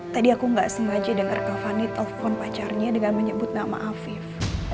tadi aku tidak sengaja dengar kak fani telpon pacarnya dengan menyebut nama hafif